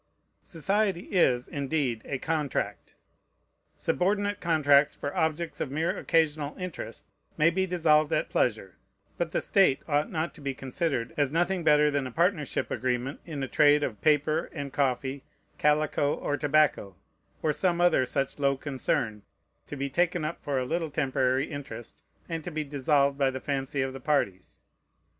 Society is, indeed, a contract. Subordinate contracts for objects of mere occasional interest may be dissolved at pleasure; but the state ought not to be considered as nothing better than a partnership agreement in a trade of pepper and coffee, calico or tobacco, or some other such low concern, to be taken up for a little temporary interest, and to be dissolved by the fancy of the parties.